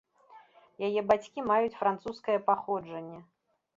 Яе бацькі маюць французскае паходжанне.